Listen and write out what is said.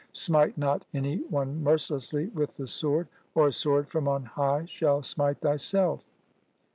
Smite not any one mer cilessly with the sword, or a sword from on high shall smite thyself.